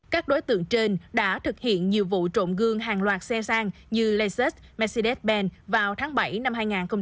các đối tượng trên đã thực hiện nhiều vụ trộm gương hàng loạt xe sang như laset mercedes bent vào tháng bảy năm hai nghìn hai mươi ba